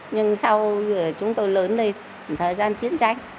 nhưng sau chúng tôi lớn lên thời gian chiến tranh